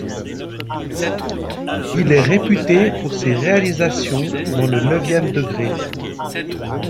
Il est réputé pour ses réalisations dans le neuvième degré.